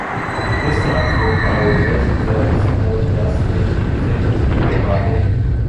These drugs work by releasing the signaling gas nitric oxide in the body.